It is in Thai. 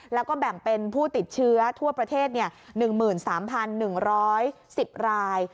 แล้วก็แบ่งเป็นผู้ติดเชื้อทั่วประเทศ๑๓๑๑๐ราย